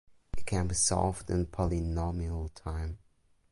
It can be solved in polynomial time.